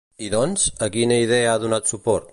I doncs, a quina idea ha donat suport?